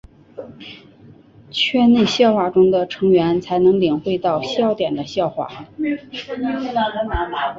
圈内笑话中的成员才能领会到笑点的笑话。